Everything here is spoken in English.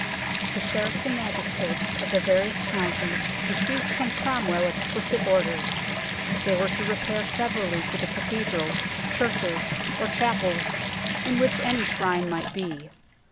The sheriffs and magistrates of the various counties received from Cromwell explicit orders. They were to repair severally to the cathedrals, churches, or chapels in which any shrine might be.